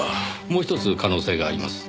もうひとつ可能性があります。